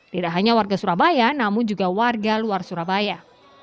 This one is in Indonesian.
tidak hanya warga surabaya namun juga warga luar surabaya